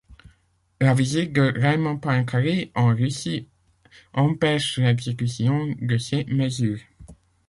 La visite de Raymond Poincaré en Russie empêche l'exécution de ces mesures.